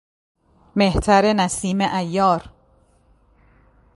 مهتر نسیم عیار